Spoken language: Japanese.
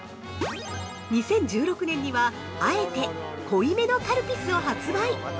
２０１６年には、あえて、濃いめのカルピスを発売。